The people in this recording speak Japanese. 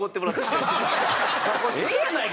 ええやないか！